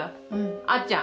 あっちゃん。